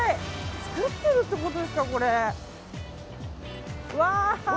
作ってるってことですか、これ。